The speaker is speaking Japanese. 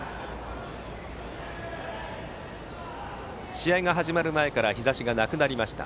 試合が始まる前から日ざしがなくなりました。